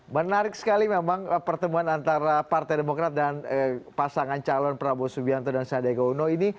menarik sekali memang pertemuan antara partai demokrat dan pasangan calon prabowo subianto dan sadega uno ini